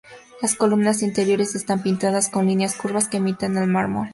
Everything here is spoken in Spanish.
Las columnas interiores están pintadas con líneas curvas que imitan al mármol.